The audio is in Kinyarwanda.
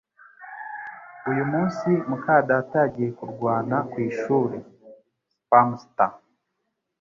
Uyu munsi muka data yagiye kurwana ku ishuri. (Spamster)